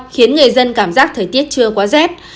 khiến người dân cảm giác thời tiết chưa quá rét